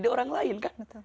di orang lain